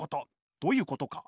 どういうことか。